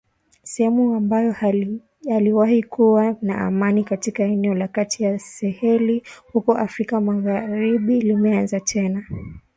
sehemu ambayo yaliwahi kuwa na amani katika eneo la kati ya Saheli huko Afrika magharibi limeanza tena kuvamiwa na waislamu